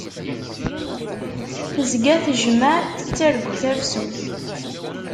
Tezga tejmaɛt tettargu tafsut.